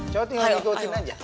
cowok tinggal ngikutin aja